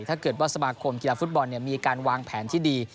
ถ้าเกิดว่าสมาคมกีฬาฟุตบอลมีการวางแผนที่ดี